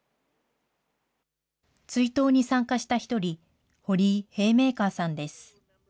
追悼に参加した一人、ホリー・ヘイメイカーさんです。